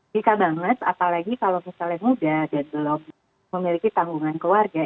bisa banget apalagi kalau misalnya muda dan belum memiliki tanggungan keluarga